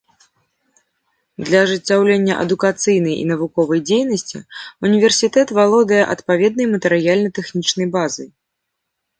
Для ажыццяўлення адукацыйнай і навуковай дзейнасці ўніверсітэт валодае адпаведнай матэрыяльна-тэхнічнай базай.